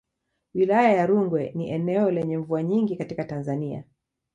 Wilaya ya Rungwe ni eneo lenye mvua nyingi katika Tanzania.